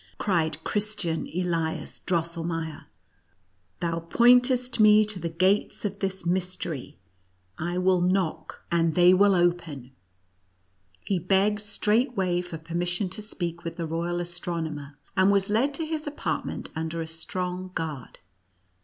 cried Christian Elias Drosselmeier. " Thou pointest me to the gates of this mystery. I will knock, and they will 72 IHJTCEACKEE. AND MOUSE KDTG . open." He begged straightway for permission to speak with the royal astronomer, and was led to his apartment under a strong guard.